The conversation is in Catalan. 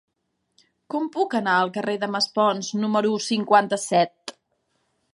Com puc anar al carrer de Maspons número cinquanta-set?